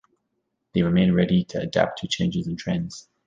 They remain ready to adapt to changes in trends.